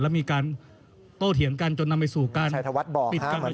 และมีการโตเถียงกันจนนำไปสู่การปิดการประชุม